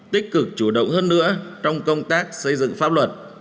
tích cực chủ động hơn nữa trong công tác xây dựng pháp luật